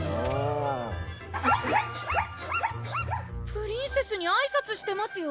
プリンセスにあいさつしてますよ